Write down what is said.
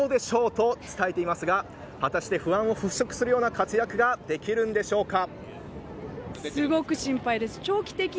と伝えていますが果たして、不安を払拭するような活躍ができるんでしょうか。